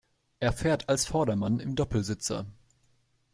Er fährt als Vordermann im Doppelsitzer.